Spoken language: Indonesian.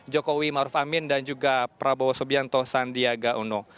jokowi maruf amin dan juga prabowo subianto sandiaga uno